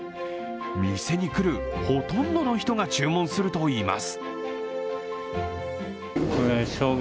店に来るほとんどの人が注文するといいます。